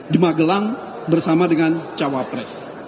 di magelang bersama dengan cawa pres